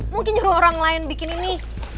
mungkin nyuruh orang lain bikin ini